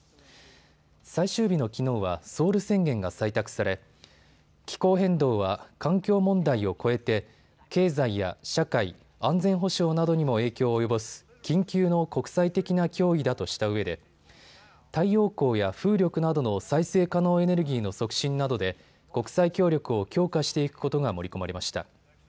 最終日のきのうはソウル宣言が採択され気候変動は環境問題を超えて経済や社会、安全保障などにも影響を及ぼす緊急の国際的な脅威だとしたうえで太陽光や風力などの再生可能エネルギーの促進などで国際協力を強化していくことが盛り込まれました。